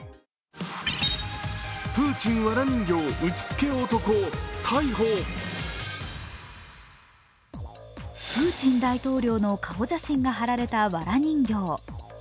プーチン大統領の顔写真がはられたわら人形。